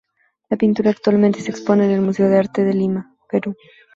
La pintura actualmente se expone en el Museo de Arte de Lima, Perú.